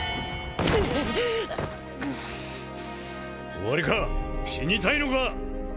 終わりか死にたいのか！